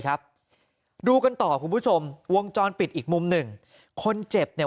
ครับดูกันต่อคุณผู้ชมวงจรปิดอีกมุมหนึ่งคนเจ็บเนี่ย